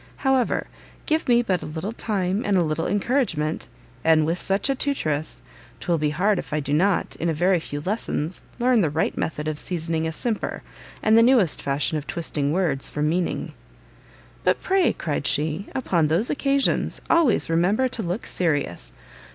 However, give me but a little time and a little encouragement, and, with such a tutress, 'twill be hard if I do not, in a very few lessons, learn the right method of seasoning a simper, and the newest fashion of twisting words from meaning." "But pray," cried she, "upon those occasions, always remember to look serious.